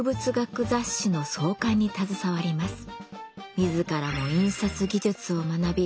自らも印刷技術を学び